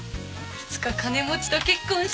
いつか金持ちと結婚して。